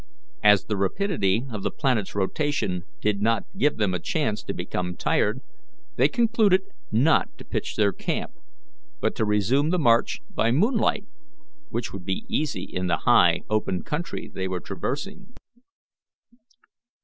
As the rapidity of the planet's rotation did not give them a chance to become tired, they concluded not to pitch their camp, but to resume the march by moonlight, which would be easy in the high, open country they were traversing.